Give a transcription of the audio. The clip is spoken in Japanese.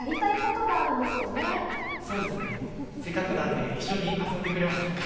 せっかくなんで一緒に遊んでくれませんか？